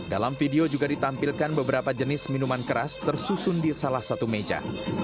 dalam video juga ditampilkan beberapa jenis minuman keras tersusun di salah satu meja